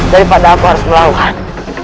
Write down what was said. daripada aku harus melawan